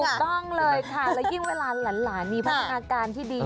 ถูกต้องเลยค่ะแล้วยิ่งเวลาหลานมีพัฒนาการที่ดี